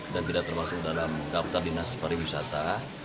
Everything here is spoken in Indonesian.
dan tidak termasuk dalam daftar dinas pariwisata